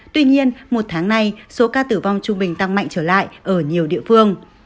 tuy nhiên một tháng nay số ca tử vong trung bình tăng mạnh trở lại ở nhiều địa phương